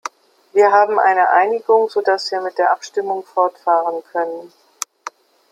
Wir haben eine Einigung, so dass wir mit der Abstimmung fortfahren können.